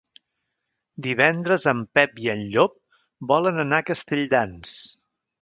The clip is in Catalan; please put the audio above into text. Divendres en Pep i en Llop volen anar a Castelldans.